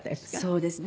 そうです。